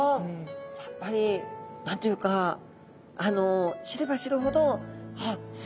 やっぱり何と言うか知れば知るほどあっす